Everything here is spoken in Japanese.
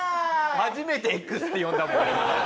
初めて「Ｘ」って呼んだもん。